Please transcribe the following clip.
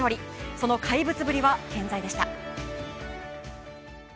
その怪物ぶりは健在でした。